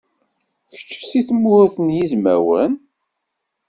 Kečč seg Tmurt n Yizwawen?